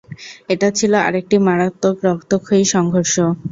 এটা ছিল আরেকটি মারাত্মক রক্তক্ষয়ী সংঘর্ষ।